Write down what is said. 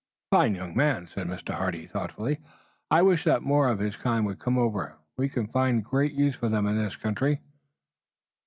"A fine young man," said Mr. Hardy, thoughtfully. "I wish that more of his kind would come over. We can find great use for them in this country."